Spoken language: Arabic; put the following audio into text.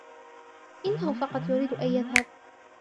إنه فقط يريد أن يذهب